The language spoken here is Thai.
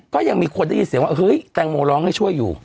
ก็ยังมีคนได้ยินเสียงว่าเฮ้ยแตงโมร้องให้ช่วยอยู่